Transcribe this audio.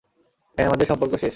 হ্যাঁ, আমাদের সম্পর্ক শেষ।